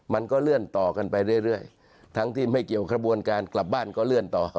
มันก็เลื่อนต่อกันไปเรื่อยทั้งที่ไม่เกี่ยวกระบวนการกลับบ้านก็เลื่อนต่อ